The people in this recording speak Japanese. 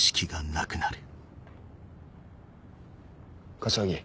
柏木。